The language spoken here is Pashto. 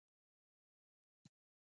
د هڅې لپاره روغتیا اړین ده